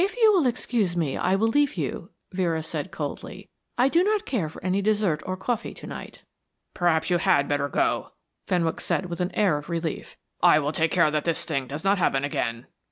"If you will excuse me, I will leave you," Vera said coldly. "I do not care for any dessert or coffee to night." "Perhaps you had better go," Fenwick said with an air of relief. "I will take care that this thing does not happen again."